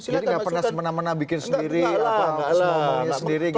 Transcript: jadi tidak pernah semena mena bikin sendiri apa semua umumnya sendiri gitu pak